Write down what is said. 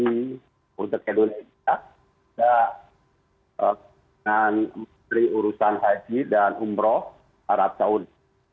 jadi untuk indonesia kita dengan memberi urusan haji dan umroh arab saudi